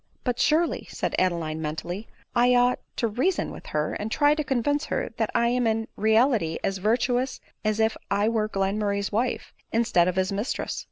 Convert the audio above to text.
"But surely," said Adeline mentally, "I ought to reason with her, and try to convince her that I am in reality as virtuous as if I were Glenmurray's wife, instead* of his mistress."